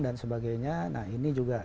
dan sebagainya nah ini juga